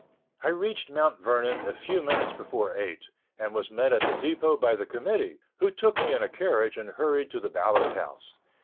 I reached Mount Vernon a few minutes before eight, and was met at the depot by the committee, who took me in a carriage and hurried to the Ballard House.